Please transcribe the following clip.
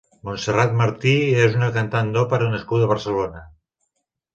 Montserrat Martí és una cantant d'òpera nascuda a Barcelona.